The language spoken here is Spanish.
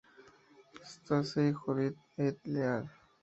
Stacey, Judith, et al.